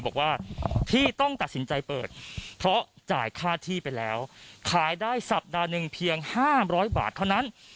บอกว่าที่ต้องตัดสินใจเปิดเพราะจ่ายค่าที่ไปแล้วขายได้สัปดาห์หนึ่งเพียง๕๐๐บาทเท่านั้น